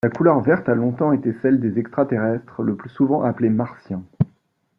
La couleur verte a longtemps été celles des extraterrestres, le plus souvent appelés Martiens.